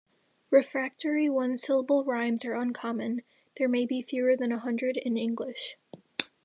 Refractory one-syllable rhymes are uncommon; there may be fewer than a hundred in English.